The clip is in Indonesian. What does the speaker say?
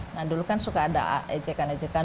nah dulu kan suka ada ejekan ejekan